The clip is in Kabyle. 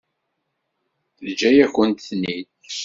Teǧǧa-yakent-ten-id.